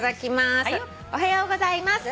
「おはようございます。